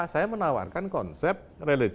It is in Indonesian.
saya menawarkan konsep religius dan seksualisasi